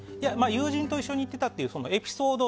友人と一緒に行ってたというエピソード。